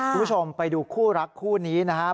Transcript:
คุณผู้ชมไปดูคู่รักคู่นี้นะครับ